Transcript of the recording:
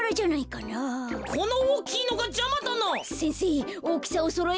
このおおきいのがじゃまだな。